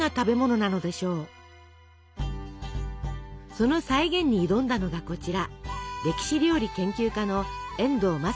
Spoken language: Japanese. その再現に挑んだのがこちら。